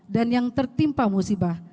dan yang tertimpa musibah